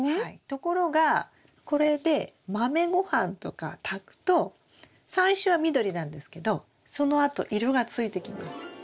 ところがこれで豆御飯とか炊くと最初は緑なんですけどそのあと色がついてきます。